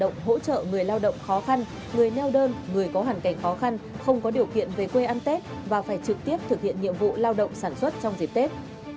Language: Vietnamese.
người lao động khó khăn người neo đơn người có hẳn cảnh khó khăn không có điều kiện về quê ăn tết và phải trực tiếp thực hiện nhiệm vụ lao động sản xuất trong dịp tết